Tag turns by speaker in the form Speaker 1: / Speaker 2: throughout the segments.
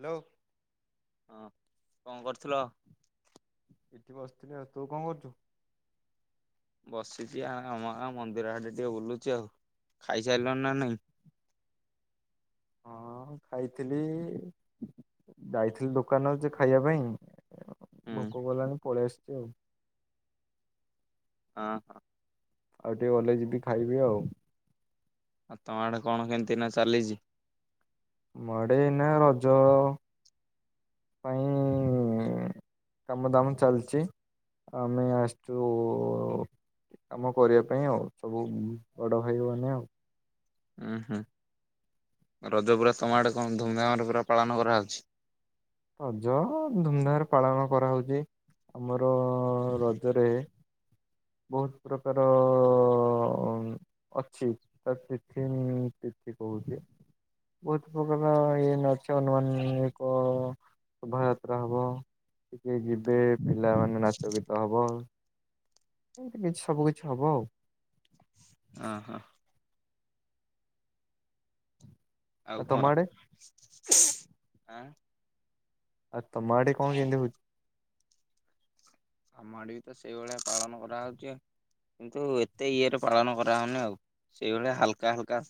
Speaker 1: Hello.
Speaker 2: ହଁ, କଣ କରୁଥିଲ?
Speaker 1: ଏଠି ବସିଥିଲି ଆଉ ତୁ କଣ କରୁଛୁ?
Speaker 2: ବସିଛି ଆ-ଆମ-ଆ ମନ୍ଦିର ଆଡେ ଟିକେ ବୁଲୁଛି ଆଉ। ଖାଇସାରିଲୁଣି ନା ନାଇଁ?
Speaker 1: ହଁଅ ଖାଇଥିଲି ଯାଇଥିଲି ଦୋକାନକୁ ଯେ ଖାଇବା ପାଇଁ,
Speaker 2: ହୁଁ
Speaker 1: ଭୋକ କଲାନି ପଳେଇ ଆସିଛି ଆଉ।
Speaker 2: ହଁ ହଁ।
Speaker 1: ଆଉ ଟିକେ ଗଲେ ଯିବି ଖାଇବି ଆଉ।
Speaker 2: ଆଉ ତମ ଆଡେ କଣ କେମିତି ଏଇନା ଚାଲିଛି?
Speaker 1: ଆମ ଆଡେ ଏଇନା ରଜ ପାଇଁ କାମଦାମ ଚାଲିଛି, ଆଉ ଆମେ ଆସିଛୁ କାମ କରିବା ପାଇଁ ଆଉ, ସବୁ ବଡ ଭାଇମାନେ ଆଉ।
Speaker 2: ଉଁ-ହୁଁ ରଜ ପୁରା ତମ ଆଡ଼େ କଣ ଧୁମଧାମରେ ପୁରା ପାଳନ କରା ହଉଛି?
Speaker 1: ରଜ-ଅ ଧୁମଧାମରେ ପାଳନ କରା ହଉଛି ଆମର-ଅ-ଅ ରଜରେ ବହୁତ ପ୍ରକାର ଅଛି ତ ତିଥିନି-ଇ-ଇ ତିଥଗ କହୁଛି। ଭୁତ ପଗଲା ଏ ନଚ ନନି ଏକ ଶୋଭାଯାତ୍ରା ହବ, ଟିକେ ଯିବେ ପିଲାମାନେ ନାଚ ଗୀତ ହବ। ଏମିତି କିଛି ସବୁ କିିଛି ହବ ଆଉ।
Speaker 2: ଓହୋ। ଆଉ
Speaker 1: ତମ
Speaker 2: କଣ
Speaker 1: ଆଡେ
Speaker 2: ଆଁ।
Speaker 1: ଆଉ ତମ ଆଡେ କଣ କେମିତି ହଉ
Speaker 2: ଆମ ଆଡେ ବି ତ ସେଇଭଳିଆ ପାଳନ କରାହଉଛି। କିନ୍ତୁ ଏତେ ଇଏରେ ପାଳନ କରାହଉନି ଆଉ ସେଇଭଳିଆ ହାଲକା ହାଲକା।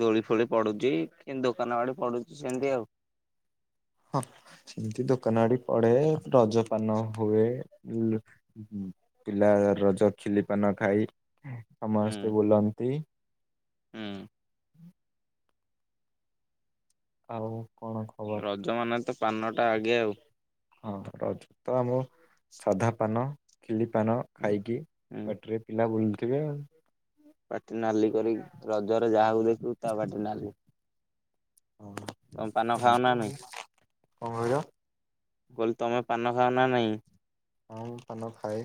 Speaker 2: ଦୋଳି ଫୋଳି ପଡୁଚି କିନ ଦୋକାନ ଆଡେ ପଡୁଚି ସେମତି ଆଉ।
Speaker 1: ହଁ ସେମିତି ଦୋକାନ ଆଡି ପଡେ ରଜ ପାନ ହୁଏ [inaudible] ହୁଁ ପିଲା ରଜ ଖିଲି ପାନ ଖାଇ ସମସ୍ତେ ବୁଲନ୍ତି।
Speaker 2: ଉଁ
Speaker 1: ଆଉ କଣ କ
Speaker 2: ରଜ ମାନେ ତ ପାନ ଟା ଆଗେ ଆଉ।
Speaker 1: ହଁ ରଜ ତ ଆମ ସାଧା ପାନ ଖିଲି ପାନ ଖାଇକି
Speaker 2: ହୁଁ।
Speaker 1: ପାଟିରେ ପିଲା ବୁଲୁଥିବେ ଆଉ।
Speaker 2: ପାଟି ନାଲି କରିକି ରଜରେ ଯାହାକୁ ଦେଖିବୁ ତା ପାଟି ନାଲି।
Speaker 1: ହଁ।
Speaker 2: ତମେ ପାନ ଖାଅ ନା ନାଇଁ
Speaker 1: କହିଲ?
Speaker 2: ମୁଁ କହିଲ ତମେ ପାନ ଖାଅ ନା ନାଇଁ?
Speaker 1: ହଁ ମୁଁ ପାନ ଖାଏ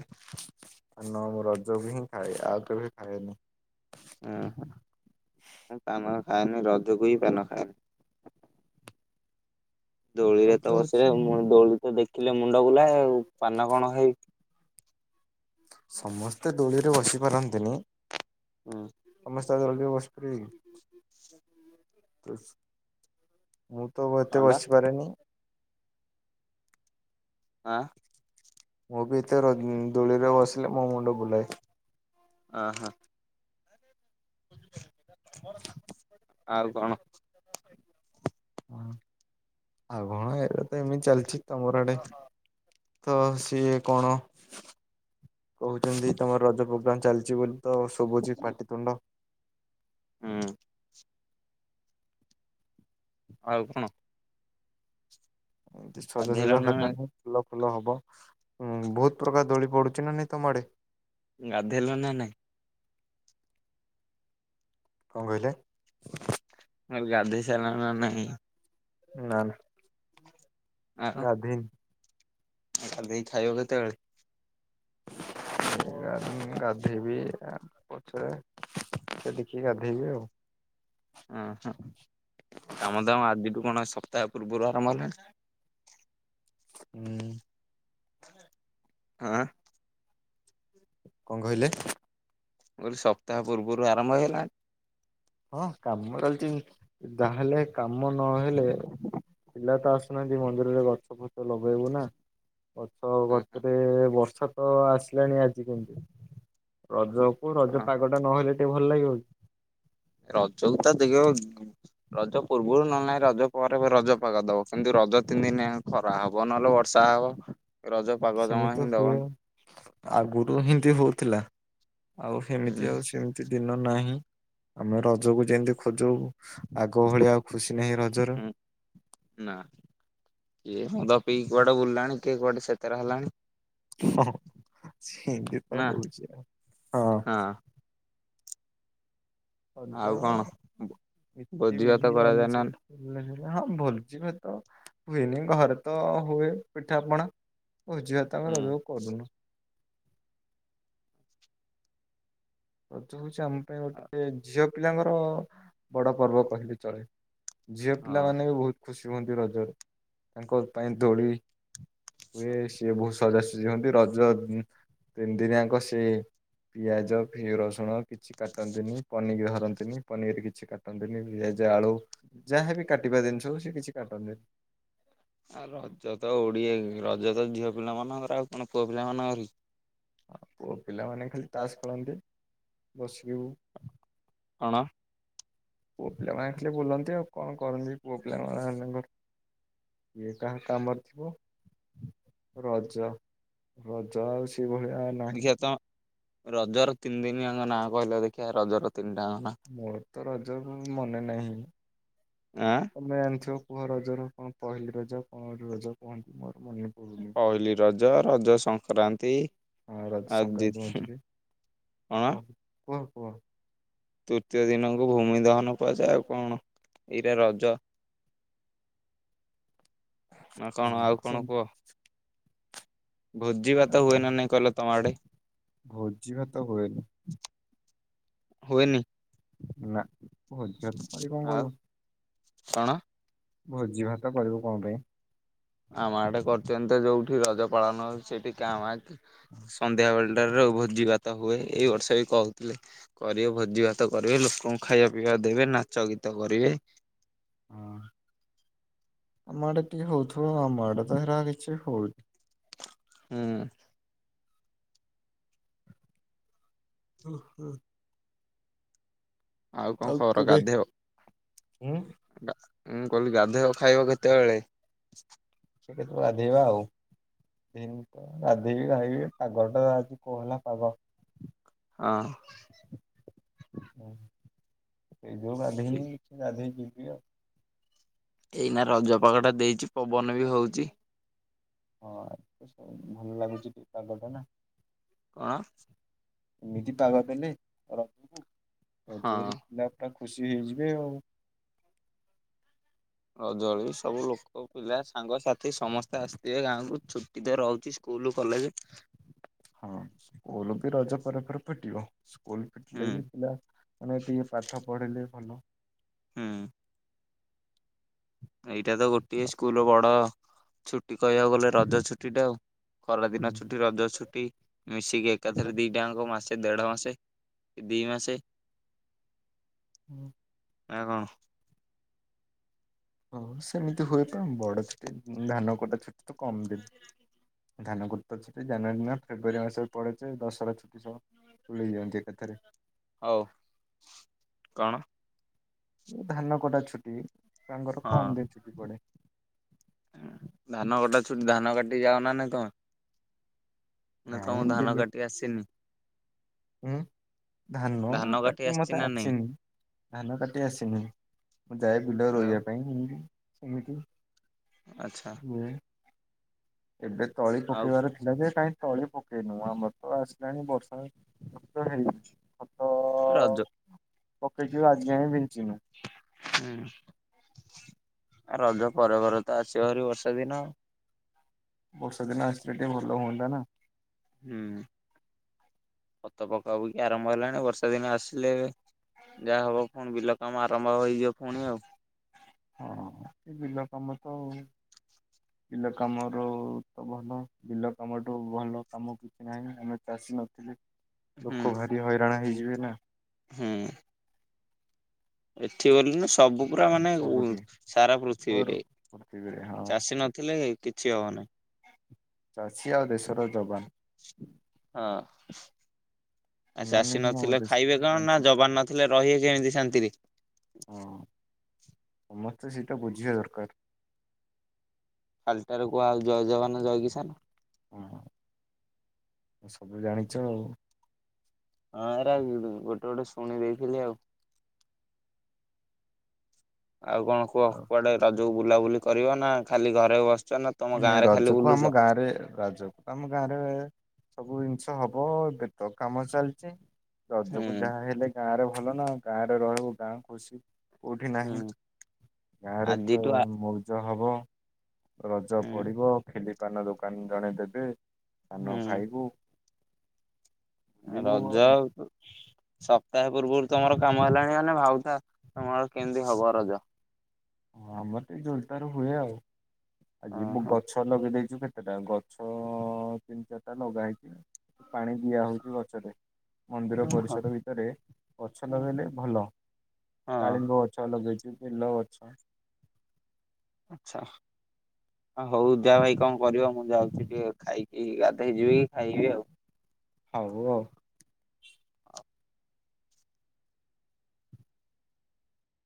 Speaker 1: ପାନ ମୁଁ ରଜ କୁ ହିଁ ଖାଏ ଆଉ କେବେ ଖାଏନି।
Speaker 2: ଆଁ ହାଁ ଆଉ ତା ମାନେ ଆମେ ରଜ କୁ ହିଁ ପାନ ଖାଏ। ଦୋଳିରେ
Speaker 1: ରଜ
Speaker 2: ତ ବସିଲେ
Speaker 1: ହଉଛି
Speaker 2: ଉଁ ଦୋଳି ତ ଦେଖିଲେ ମୁଣ୍ଡ ବୁଲାଏ ଆଉ ପାନ କଣ ଖାଇବି।
Speaker 1: ସମସ୍ତେ ଦୋଳିରେ ବସି ପାରନ୍ତିନି।
Speaker 2: ହୁଁ।
Speaker 1: ସମସ୍ତେ ଆଉ ଦୋଳିରେ ବସି ପାରିବେ କି?
Speaker 2: [inaudible]
Speaker 1: ମୁଁ ତ ଏତେ
Speaker 2: କଣଟା
Speaker 1: ବସିପାରେନି।
Speaker 2: ଆଁ।
Speaker 1: ମୁଁ ବି ଏତେ ର ଦୋଳିରେ ବସିଲି ମୋ ମୁଣ୍ଡ ବୁଲାଏ।
Speaker 2: ଆଁ ହାଁ। [inaudible] ଆଉ କଣ?
Speaker 1: ଅଁ ଆଉ କଣ ଇଆଡେ ତ ଏମିତି ଚାଲିଚି ତମର ଆଡେ? ତ ସିଏ କଣ କହୁଚନ୍ତି ତମର ରଜ ପ୍ରୋଗ୍ରାମ୍ ଚାଲିଚି ବୋଲି। ତ ଶୁଭୁଚି ପାଟିତୁଣ୍ଡ।
Speaker 2: ହୁଁ। ଆଉ କଣ?
Speaker 1: ଏମିତି ସଜା
Speaker 2: ଗାଧେଇଲ
Speaker 1: ସଜା
Speaker 2: ନା ନାଇଁ?
Speaker 1: ହେଲାନି। ଫୁଲ ଫୁଲ ହବ ଉଁ ବହୁତ ପ୍ରକାର ଦୋଳି ପଡୁଚି ନା ନାଇଁ ତମ ଆଡେ?
Speaker 2: ଗାଧେଇଲ ନା ନାଇଁ?
Speaker 1: କଣ କହିଲେ?
Speaker 2: ମୁଁ କହିଲି ଗାଧେଇ ସାଇଲଣି ନା ନାହିଁ?
Speaker 1: ନା ନା ଗାଧେଇ
Speaker 2: ଗାଧେଇକି ଖାଇବ କେତେବେଳେ? [inaudible]
Speaker 1: ଗାଧେଇନି ଗାଧେଇବି ଆଁ ପଛରେ ପଛରେ ଦେଖିକି ଗାଧେଇବି ଆଉ।
Speaker 2: ଉଁ ହୁଁ କାମ ଦାମ ଆଜିଠୁ କଣ ସପ୍ତାହେ ପୂର୍ବରୁ ଆରମ୍ଭ ହେଲାଣି?
Speaker 1: ଉଁ।
Speaker 2: ଆଁ।
Speaker 1: କଣ କହିଲେ?
Speaker 2: ମୁଁ କହିଲି ସପ୍ତାହ ପୂର୍ବରୁ ଆରମ୍ଭ ହେଇଗଲାଣି।
Speaker 1: ହଁ କାମ ଚାଲିଛି ଯାହେଲେ କାମନହେଲେ ପିଲାତ ଆସ ନା ଆଜି ମନ୍ଦିରରେ ଗଛ ଫଛ ଲଗେଇବୁନା ଗଛ
Speaker 2: ହେଇଗଲାଣି?
Speaker 1: ଗଛରେ ବର୍ଷା। ତ ଆସିଲାଣି ଆଜି କେମିତି ରଜକୁ ରଜପାଗଟା ନହେଲେ ଟିକିଏ ଭଲଲାଗିବକି?
Speaker 2: ରଜକୁ ତା ଦେଖିବ ରଜ ପୂର୍ବୁରୁ ନହେଲେ ନାହିଁ ରଜପରେ ରଜପାଗ ଦବ କିନ୍ତୁ ରଜ ତିନି ଦିନିଆଙ୍କ ଖରା ହବ ନହେଲେ ବର୍ଷାହବ ରଜପାଗ ଜମାହିଁ ଦବନି।
Speaker 1: ଆଗୁରୁୁହିଁ ଏମିତି ହଉଥିଲା ଆଉ
Speaker 2: ହୁଁ
Speaker 1: ସେମିତି ଆଉ ସେମି ସେଦିନ ନାହିଁ ଆମେ ରଜକୁ ଯେମିତି ଖୋଜୁ। ଆଗ ଭଳିଆ ଆଉ ଖୁସିନାହିଁ ରଜର
Speaker 2: ନାଁ କିଏ ମଦ ପିଇକି କୁଆଡେ ବୁଲିଲାଣି କିଏ କୁଆଡେ ସେଟେଲ ହେଲାଣି।
Speaker 1: ହଁ ସେମିତିତ
Speaker 2: ନା
Speaker 1: ହଉଛି ଆଉ ହଁ। ରଜ
Speaker 2: ଆଉ କଣ ବ ଭୋଜିଭାତ କରାଯାଏ ନା?
Speaker 1: ହେଲେ ହେଲା ଭୋଜି ଭାତ ହୁଏନି ଘରେତ ହୁଏ ପିଠାପଣା। ଭୋଜି ଭାତ ଆମେ
Speaker 2: ହୁଁ
Speaker 1: ରଜରେ କରୁନୁ। ରଜ ହଉଛି ଆମପାଇଁ
Speaker 2: ହଁ
Speaker 1: ଗୋଟେ ଝିଅ ପିଲାଙ୍କର ବଡ ପର୍ବ କହିଲେ ଚଳେ। ଝିଅ ପିଲାମାନେବି ବହୁତ ଖୁସି ହୁଅନ୍ତି ରଜରେ ତାଙ୍କ ପାଇଁ ଦୋଳି ହୁଏ ସିଏ ବହୁତ ସଜାସଜି ହୁଅନ୍ତି ରଜ ତିନି ଦିନିଆଙ୍କ ସେ ପିଆଜ ଏ ରସୁଣ କିଛି କାଟନ୍ତିନି ପନିକି ଧରନ୍ତିନି ପନିର କିଛି କାଟନ୍ତିନି ପିଆଜ ଆଳୁ। ଯାହାବି କାଟିବା ଜିନିଷହଉ ସେ କିଛି କାଟନ୍ତିନି।
Speaker 2: ଆଉ ରଜତ ଓଡିଆ ରଜତ ଝିଅ ପିଲା ମାନଙ୍କର ଆଉ କଣ ପୁଅ ପିଲା ମାନଙ୍କରକି?
Speaker 1: ଆ ପୁଅ ପିଲାମାନେ ଖାଲି ତାସ ଖେଳନ୍ତି ବସିବୁ।
Speaker 2: କଣ।
Speaker 1: ପୁଅ ପିଲାମାନେ ଖାଲି ବୁଲନ୍ତି ଆଉ କଣ କରନ୍ତି ପୁଅପିଲା ମାନଙ୍କର। କିଏ କାହା କାମରେ ଥିବ। ରଜ ରଜ ଆଉ ସେଇଭଳିଆ। ନାହିଁ
Speaker 2: ଦେଖିଆ ତମ ରଜର ତିନି ଦିନିଆଙ୍କ ନାଁ କହିଲ ଦେଖିଆ ରଜର ତିନିଟାଙ୍କ ନାଁ?
Speaker 1: ମୋରତ ରଜ କଣ ମନେନାହିଁ।
Speaker 2: ଆଁ।
Speaker 1: ତମେ ଯାଣିଥିବ କୁହ ରଜର କଣ ପହିଲି ରଜ କଣ ରଜ କୁହନ୍ତି ମୋର ମନେପଡୁନି?
Speaker 2: ପହିଲିରଜ ରଜ ସଂକ୍ରାନ୍ତି।
Speaker 1: ହଁ
Speaker 2: ଆଉ ଦି
Speaker 1: ରଜସଂକ୍ରାନ୍ତି ମଝିରେ
Speaker 2: କଣ
Speaker 1: କୁହ କୁହ କୁହ।
Speaker 2: ତୃତୀୟ ଦିନକୁ ଭୂମି ଦହନ କୁହାଯାଏ ଆଉ କଣ ଏଇଟା ରଜ? ନାଁ କଣ
Speaker 1: ହଁ
Speaker 2: ଆଉ କଣ
Speaker 1: ସେମିତି
Speaker 2: କୁହ। ଭୋଜି ଭାତ ହୁଏନା ନାଇଁ କହିଲ ତମଆଡେ?
Speaker 1: ଭୋଜିି ଭାତ ହୁଏନି।
Speaker 2: ହୁଏନି।
Speaker 1: ନା ଭୋଜି ଭାତ କରିକି କଣ
Speaker 2: ଆଉ
Speaker 1: କରିବ?
Speaker 2: କଣ?
Speaker 1: ଭୋଜି ଭାତ କରିବୁ କଣପାଇଁ?
Speaker 2: ଆମ ଆଡେ କରୁଚନ୍ତି ଯୋଉଠି ରଜ ପାଳନ ସେଠି କାଁ ଭାଁ। ସନ୍ଧ୍ୟା ବେଳଟାରେ ଭୋଜିଭାତ ହୁଏ ଏଇ ବର୍ଷବି କହୁଥିଲେ। କରିବେ ଭୋଜି ଭାତ କରିବେ ଲୋକଙ୍କୁ ଖାଇବା ପିଇବା ଦେବେ ନାଚ ଗୀତ କରିବେ।
Speaker 1: ହଁ, ଆମ ଆଡେ ଟିକେ ହଉଥିବ, ଆମଆଡେ ତ ହେରା କିଛି ହଉ
Speaker 2: ହୁଁ।
Speaker 1: ଓହୋ।
Speaker 2: କଣ
Speaker 1: ଆଉ
Speaker 2: ଖବର
Speaker 1: କେବେ,
Speaker 2: ଗାଧେଇବ
Speaker 1: ହୁଁ।
Speaker 2: [inaudible] ମୁଁ କହିଲି ଗାଧୋଇବ ଖାଇବ କେତେବେଳେ?
Speaker 1: କେତେବେଳେ ବାଧେଇବା ଆଉ। ଗାଧେଇନି ତ ଗାଧୋଇବି ଖାଇବି ପାଗଟା ଆଜି କୋହଲା ପାଗ।
Speaker 2: ହଁ।
Speaker 1: ହୁଁ, ସେ ଯଉ ଗାଧେଇନି, କିଛି ଗାଧେଇ ଯିବି ଆଉ।
Speaker 2: ଏଇନା ରଜ ପାଗ ଟା ଦେଇଛି ପବନ ବି ହଉଛି।
Speaker 1: ହଁ, ସୁ ଭଲ ଲାଗୁଛି ଟିକେ ପାଗଟା ନା।
Speaker 2: କଣ?
Speaker 1: ଏମିତି ପାଗ ଦେଲେ ରଜକୁ
Speaker 2: ହଁ।
Speaker 1: [unintelligible] [unintelligible] ଖୁସି ହେଇଯିବେ ଆଉ।
Speaker 2: ରଜ ବଳୁ ସବୁ ଲୋକ ପିଲା ସାଙ୍ଗସାଥି ସମସ୍ତେ ଆସିଥିବେ ଗାଁକୁ, ଛୁ [unintelligible] ରହୁଛି ସ୍କୁଲ କଲେଜ।
Speaker 1: ହଁ, ସ୍କୁଲ ବି ରଜ ପରେ ପରେ ଫୁଟିବ। ସ୍କୁଲ
Speaker 2: ହୁଁ
Speaker 1: ଫିଟିଲେ ବି ପିଲା ମାନେ ଟିକେ ପାଠ ପଢିଲେ ଭଲ।
Speaker 2: ହୁଁ। ଏଇଟା ତ ଗୋଟିଏ ସ୍କୁଲ ବଡ ଛୁଟି କହିବାକୁ ଗଲେ ରଜ ଛୁଟି ଟା ଆଉ। ଖରାଦିନ
Speaker 1: ହୁଁ।
Speaker 2: ଛୁଟି, ରଜ ଛୁଟି ମିଶିକି
Speaker 1: ଏକା
Speaker 2: ଏକାଥରେ ଦି [unintelligible] ମାସେ ଦେଢ ମାସେ କି ଦି ମାସେ।
Speaker 1: ହୁଁ।
Speaker 2: ନା କଣ?
Speaker 1: ହଁ, ସେମିତି ହୁଏତ ବଡ ଛୁଟି, ଧାନ କଟା ଛୁଟି ତ କମ୍ ଦିନ। ଧାନ କଟା ତ ଛୁଟି ଜାନୁଆରୀ ନା ଫେବୃୟାରୀ ମାସରେ ପଡେଯେ ଦଶରା ଛୁଟି ସବୁ [unintelligible] ଏକାଥରେ।
Speaker 2: ହଉ [inaudible] କଣ?
Speaker 1: ଧାନ କଟା ଛୁଟି ତାଙ୍କର
Speaker 2: ହଁ
Speaker 1: କମ୍ ଦିନି ଛୁଟି ପଡେ।
Speaker 2: ଧାନ କଟା ଛୁଟି ଧାନ କାଟି ଯାଉ ନା ନାଇଁ ତମେ? ନା ତମକୁ
Speaker 1: ନାଇଁ
Speaker 2: ଧାନ କାଟି ଆସିନି।
Speaker 1: ହୁଁ, ଧାନ କାଟି
Speaker 2: ଆସିଛି
Speaker 1: ମତେ
Speaker 2: ନା ନାଇଁ?
Speaker 1: ଆସିନି ଧାନ କାଟି ଆସିନି। ଯାଏ ବିଲ
Speaker 2: ଆଉ
Speaker 1: ରୋଇବା ପାଇଁ [unintelligible] ସେମିତି।
Speaker 2: ଆଚ୍ଛା।
Speaker 1: ହୁଁ। ଏବେ ତଳି
Speaker 2: ଆଉ
Speaker 1: ପକେଇବାର ଥି [unintelligible] କାହିଁ ତଳି ପକେଇନୁ ଆମର ତ ଆସିଲାଣି ବର୍ଷା ତ ହେଇନି ଖତ
Speaker 2: [unintelligible]
Speaker 1: ପକେଇଛୁ ଆଜି ଯାଏଁ ବିଞ୍ଚିନୁ।
Speaker 2: ହୁଁ, ରଜ ପରେ ଘରେ ତ ଆସିବ ଭାରି ବର୍ଷା ଦିନ।
Speaker 1: ବର୍ଷା ଦିନ ଆସିଲେ ଟିକେ ଭଲ ହୁଅନ୍ତା ନା।
Speaker 2: ହୁଁ, ଖତ ପକା ପକି ଆରମ୍ଭ ହେଲାଣି ବର୍ଷା ଦିନ ଆସିଲେ ଯାହା ହବ ପୁଣି ବିଲ କାମ ଆରମ୍ଭ ହେଇଯିବ ପୁଣି ଆଉ।
Speaker 1: ହଁ, ଏଇ ବିଲ କାମ ତ।
Speaker 2: [inaudible]
Speaker 1: ବିଲ କାମ ରୁ ତ ଭଲ ବିଲ କାମଠୁ ଭଲ କାମ କିଛି ନାହିଁ ଆମେ ଚାଷୀ ନଥିଲେ
Speaker 2: ହୁଁ
Speaker 1: ଲୋକ ଭାରି ହଇରାଣ ହେଇଯିବେ ନା।
Speaker 2: ହୁଁ। ଏଠି ବୋଲି ନା ସବୁ ପୁରା ମାନେ ଓଂ
Speaker 1: ସବୁଠି
Speaker 2: ସାରା
Speaker 1: ଘରୁ
Speaker 2: ପୃଥିବୀରେ।
Speaker 1: ପୃଥିବୀରେ ହଁ
Speaker 2: ଚାଷୀ ନଥିଲେ କିଛି ହବ ନାହିଁ।
Speaker 1: ଚାଷୀ ଆଉ ଦେଶର ଯବାନ।
Speaker 2: ହଁ ଆ
Speaker 1: ଏମାନେ
Speaker 2: ଚାଷୀ
Speaker 1: ହିଁ ଆମ
Speaker 2: ନଥିଲେ ଖାଇବେ
Speaker 1: ଦେଶକୁ
Speaker 2: କଣ ନା
Speaker 1: ବଞ୍ଚି
Speaker 2: ଯବାନ ନ ଥିଲେ ରହିବେ କେମିତି ଶାନ୍ତିରେ।
Speaker 1: ହଁ ସମସ୍ତେ ସେଇଟା ବୁଝିବା ଦରକାର।
Speaker 2: କାଲିଟାରେ କୁହ ଆଉ ଜୟ ଜବାନ ଜୟ କିସାନ।
Speaker 1: ହଁ ସବୁ ଜାଣିଚ ଆଉ।
Speaker 2: ହଁ ଏରା ଗୋଟେ ଗୋଟେ ଶୁଣି ଦେଇଥିଲି ଆଉ। ଆଉ କଣ କୁହ କୁଆଡେ ରଜକୁ ବୁଲାବୁଲି କରିବ ନା ଖାଲି ଘରେ ବସିଛ ନା ତମ ଗାଁ
Speaker 1: ନ
Speaker 2: ରେ ଖାଲି
Speaker 1: ରଜକୁ
Speaker 2: ବୁଲୁଛ?
Speaker 1: ଆମ ଗାଁ ରେ ରଜ ଆମ ଗାଁ ରେ ସବୁ ଜିନିଷ ହବ ଏବେ ତ କାମ ଚାଲିଚି।
Speaker 2: ହୁଁ
Speaker 1: ରଜକୁ ଯାହାହଲେ ଗାଁ ରେ ଭଲ ନା ଗାଁରେ ରହିବୁ ଗାଁ ଖୁସି। କୋଉଠି ନାହିଁ
Speaker 2: ହୁଁ
Speaker 1: ଗାଁରେ ପ୍ର
Speaker 2: ଆଜିଠୁ ଆ
Speaker 1: ମଉଜ ହବ। ରଜ
Speaker 2: ହୁଁ
Speaker 1: ପଡ଼ିବ ଖିଲି ପାନ ଦୋକାନ ଜଣେ ଦେବେ ପାନ
Speaker 2: ହୁଁ
Speaker 1: ଖାଇବୁ।
Speaker 2: ରଜା ଆଉ ସପ୍ତାହେ ପୂର୍ବରୁ ତମର କାମ ହେଲାଣି ମାନେ ଭାଉଥା ତମର କେମିତି ହବ ରଜ।
Speaker 1: ହଁ ଆମର ଟିକେ ଜୋର ଦାର ହୁଏ ଆଉ ଆଜି
Speaker 2: ହଁ
Speaker 1: ମୁଁ
Speaker 2: ହଁ
Speaker 1: ଗଛ ଲଗେଇ ଦେଇଛୁ କେ ସେଟା ଗଛ ତିନି ଚାରିଟା ଲଗା ହେଇଥିଲା ପାଣି ଦିଆହଉଚି ଗଛରେ। ମନ୍ଦିର
Speaker 2: ହଁ
Speaker 1: ପରିସର ଭିତରେ ଗଛ
Speaker 2: ହଁ
Speaker 1: ଲଗେଇଲେ ଭଲ ଡାଳିମ୍ବ ଗଛ ଲଗେଇ [unintelligible] ଅଛ
Speaker 2: ଆଚ୍ଛା ହଁ ହଉ ଯା ଭାଇ କଣ କରିବ ମୁଁ ଯାଉଛି ଟିକେ ଖାଇକି ଗାଧୋଇ ଯିବି ଖାଇବି ଆଉ।
Speaker 1: ହଉ ଆଉ।